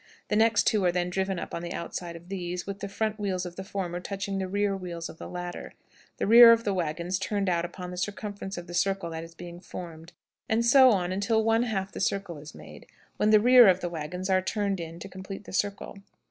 The two next are then driven up on the outside of these, with the front wheels of the former touching the rear wheels of the latter, the rear of the wagons turned out upon the circumference of the circle that is being formed, and so on until one half the circle is made, when the rear of the wagons are turned in to complete the circle.